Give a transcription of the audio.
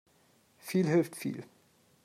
Viel hilft viel.